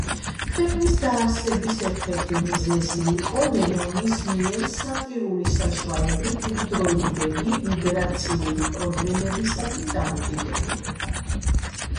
ქვეყნის დაარსების ერთ-ერთი მიზეზი იყო ლენონის მიერ სატირული საშუალებით იმდროინდელი მიგრაციული პრობლემებისადმი დამოკიდებულება.